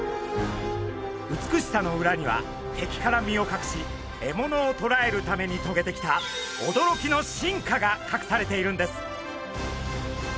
美しさの裏には敵から身をかくし獲物をとらえるためにとげてきた驚きの進化がかくされているんです。